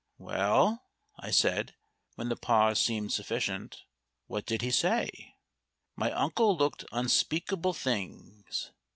"Well," I said, when the pause seemed sufficient; "what did she say?" My uncle looked unspeakable things.